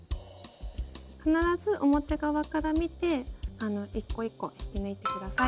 必ず表側から見て一個一個引き抜いて下さい。